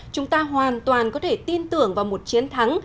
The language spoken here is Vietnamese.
chúng ta hoàn toàn có thể tin tưởng vào một chiến thắng